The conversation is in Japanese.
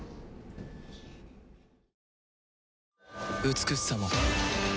美しさも